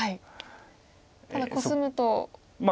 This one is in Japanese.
ただコスむとまた。